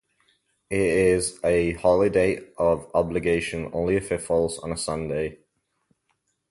It is a holy day of obligation only if it falls on a Sunday.